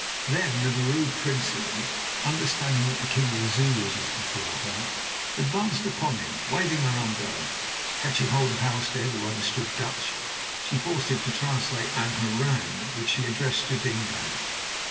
Then the Vrouw Prinsloo, understanding that the king of the Zulus was before her, advanced upon him, waving her umbrella. Catching hold of Halstead, who understood Dutch, she forced him to translate an harangue, which she addressed to Dingaan.